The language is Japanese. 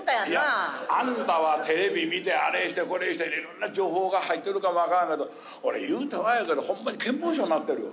いやあんたはテレビ見てあれしてこれしていろんな情報が入ってるかもわからんけど俺ホンマに健忘症なってるよ。